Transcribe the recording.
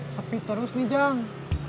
sepi terus nih jang